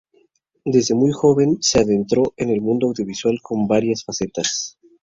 Desde muy joven se adentró en el mundo audiovisual con varias facetas.